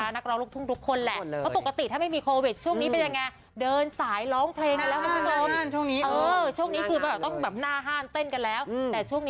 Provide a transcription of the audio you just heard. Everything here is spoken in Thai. นะคะนักร้องลูกทุกคนแหละ